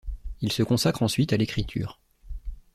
Il se consacre ensuite à l'écriture.